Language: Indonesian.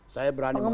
saya berani mengatakan